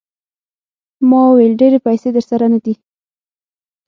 ما وویل ډېرې پیسې درسره نه دي.